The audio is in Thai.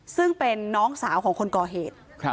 ซึ่งเป็นน้องสาวของคนก่อเหตุ